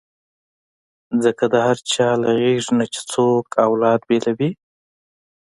ځکه د چا له غېږې نه چې څوک اولاد بېلوي.